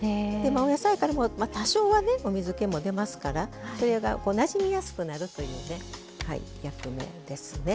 お野菜からも多少はねお水けも出ますからそれがなじみやすくなるというね役目ですね。